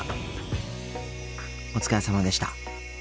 お疲れさまでした。